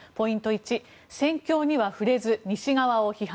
１戦況には触れず西側を批判。